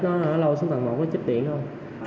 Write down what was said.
nó ở lâu xuống tầng một nó ít điện thôi